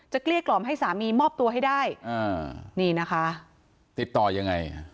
เกลี้ยกล่อมให้สามีมอบตัวให้ได้อ่านี่นะคะติดต่อยังไง